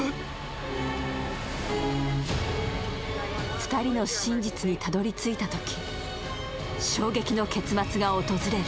２人の真実にたどり着いたとき衝撃の結末が訪れる。